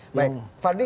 fadli komentar ya gitu